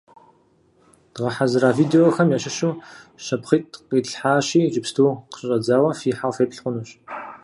Дгъэхьэзыра видеохэм ящыщу щапхъитӀ къитлъхьащи, иджыпсту щыщӀэдзауэ фихьэу феплъ хъунущ.